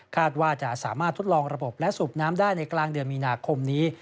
ว่าจะสามารถทดลองระบบและสูบน้ำได้ในกลางเดือนมีนาคมนี้